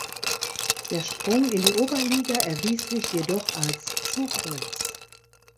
Der Sprung in die Oberliga erwies sich jedoch als zu groß.